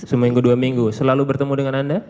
seminggu dua minggu selalu bertemu dengan anda